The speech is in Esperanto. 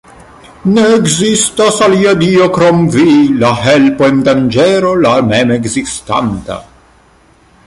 Ne ekzistas alia dio krom Vi, la Helpo en danĝero, la Mem-Ekzistanta.